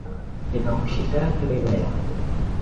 Nina ushindani baina yangu.